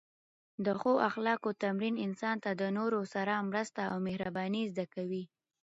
د ښو اخلاقو تمرین انسان ته د نورو سره مرسته او مهرباني زده کوي.